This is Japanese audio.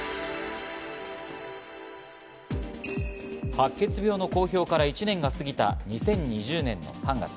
白血病の公表から１年がすぎた２０２０年の３月。